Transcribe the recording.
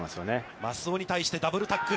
舛尾に対してダブルタックル。